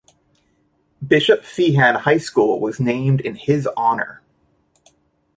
Bishop Feehan High School was named in his honor.